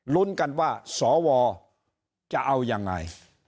ลุ้นกันว่าสวจะเอายังไง